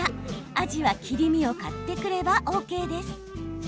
アジは切り身を買ってくればＯＫです。